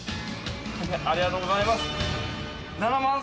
ありがとうございます。